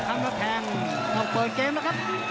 ต้องเปิดเกมนะครับ